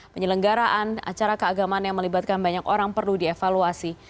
penyelenggaraan acara keagamaan yang melibatkan banyak orang perlu dievaluasi